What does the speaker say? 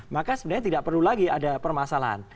maka sebenarnya tidak perlu lagi ada permasalahan